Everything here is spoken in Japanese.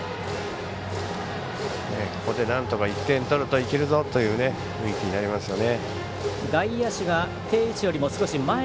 ここでなんとか１点取るといけるぞという雰囲気になりますよね。